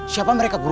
siapa mereka guru